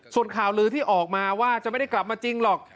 ส่วนข่าวลือที่ออกมาว่าจะไม่ได้กลับมาจริงหรอก